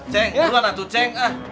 ceng duluan atuh ceng